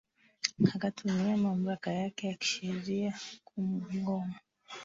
ikatumia mamlaka yake ya kisheria kumngoa